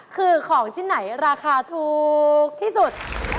คือของชิ้นไหนราคาถูกที่สุด